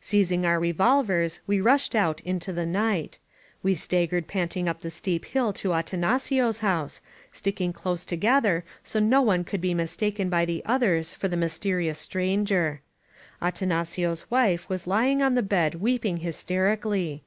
Seizing our revolvers we rushed out into the night. We staggered panting up the steep hill to Atanacio's house — sticking close together so no one would be mis taken by the others for the Mysterious Stranger. Ata 305 INSURGENT MEXICO nacio's wife was lying on the bed weeping hysterically.